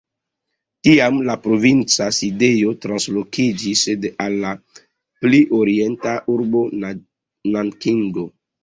Tiam la provinca sidejo translokiĝis al la pli orienta urbo Nankingo.